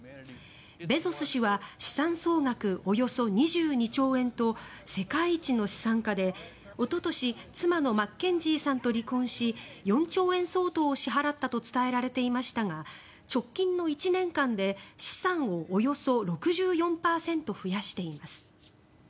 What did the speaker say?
ベゾス氏は資産総額およそ２２兆円と世界一の資産家で、おととし妻のマッケンジーさんと離婚し４兆円相当を支払ったと伝えられていましたが直近の１年間で資産をおよそ６４％増やしています。